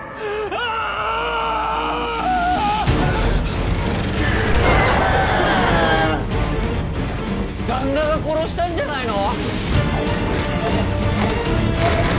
あぁ‼旦那が殺したんじゃないの？